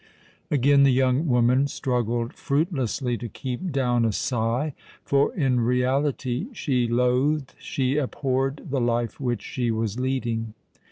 Again the young woman struggled fruitlessly to keep down a sigh; for—in reality—she loathed, she abhorred the life which she was leading.